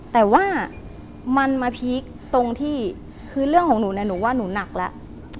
แต่ว่ามันมาพีคตรงที่คือเรื่องของหนูเนี่ยหนูว่าหนูหนักแล้ว